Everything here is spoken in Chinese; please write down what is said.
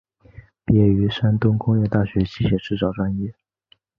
毕业于山东工业大学机械制造专业。